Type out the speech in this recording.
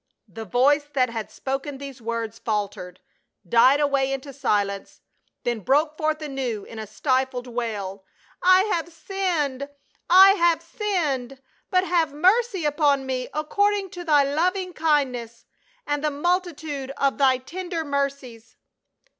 The voice that had spoken these words faltered, died away into silence, then broke forth anew in a stifled wail, " I have sinned — I have sinned, but have mercy upon me according to thy loving kindness and the multitude of thy tender mercies